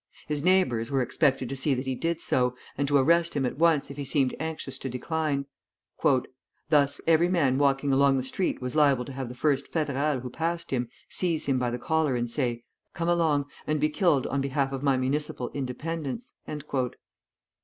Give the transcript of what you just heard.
His neighbors were expected to see that he did so, and to arrest him at once if he seemed anxious to decline. "Thus, every man walking along the street was liable to have the first Federal who passed him, seize him by the collar and say: 'Come along, and be killed on behalf of my municipal independence.'"